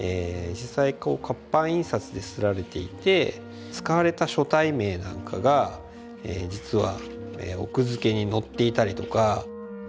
実際こう活版印刷で刷られていて使われた書体名なんかがえ実は奥付けに載っていたりとか。